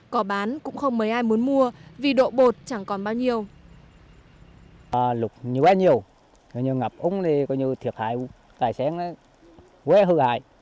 cỏ bán cũng không mấy ai muốn mua vì độ bột chẳng còn bao nhiêu